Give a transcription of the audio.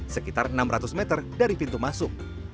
sekitar enam ratus meter dari pintu masuk